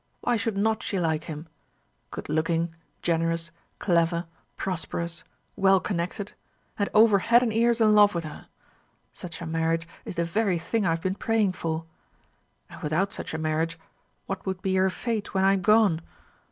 "Why should not she like him? good looking, generous, clever, prosperous, well connected, and over head and ears in love with her. Such a marriage is the very thing I have been praying for. And without such a marriage, what would be her fate when I am gone?